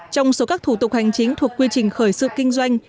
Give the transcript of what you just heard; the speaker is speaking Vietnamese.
trong số các thủ tục hành chính thuộc quy trình khởi sự kinh doanh